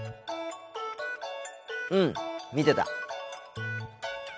うん見てた。